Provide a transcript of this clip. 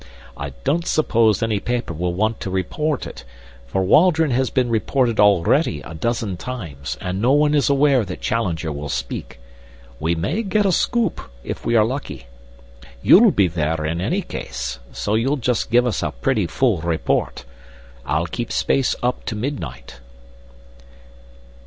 I don't suppose any paper will want to report it, for Waldron has been reported already a dozen times, and no one is aware that Challenger will speak. We may get a scoop, if we are lucky. You'll be there in any case, so you'll just give us a pretty full report. I'll keep space up to midnight."